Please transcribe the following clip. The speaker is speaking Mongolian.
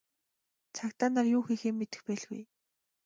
Цагдаа нар юу хийхээ мэдэх байлгүй.